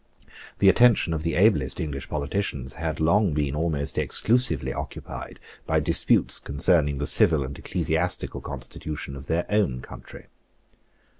The attention of the ablest English politicians had long been almost exclusively occupied by disputes concerning the civil and ecclesiastical constitution of their own country.